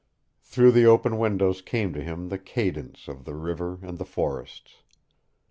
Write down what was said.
Through the open windows came to him the cadence of the river and the forests.